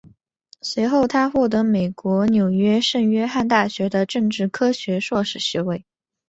随后他获得美国纽约圣约翰大学的政治科学硕士学位。